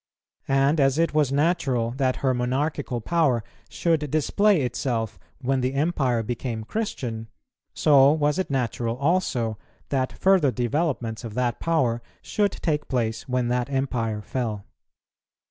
And as it was natural that her monarchical power should display itself when the Empire became Christian, so was it natural also that further developments of that power should take place when that Empire fell.